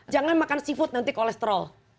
jangan makan seafood nanti kolesterol